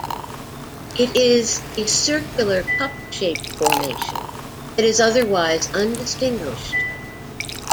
It is a circular, cup-shaped formation that is otherwise undistinguished.